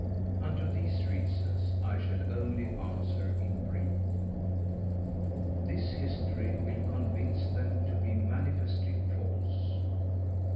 _ _Unto these Reasons I shall only answer in brief. This History will convince them to be manifestly false.